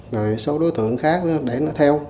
rồi số đối tượng khác để nó theo